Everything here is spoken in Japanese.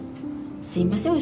すいません